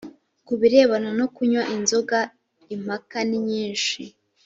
ku birebana no kunywa inzoga impaka ni nyinshi